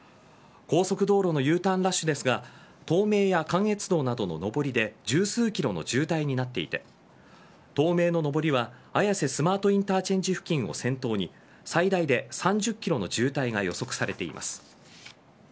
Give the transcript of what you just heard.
高速道路のＵターンラッシュですが東名や関越道などの上りで十数ｋｍの渋滞になっていて東名の上りは綾瀬スマートインターチェンジ付近を先頭に最大で３０ｋｍの渋滞が予測されています。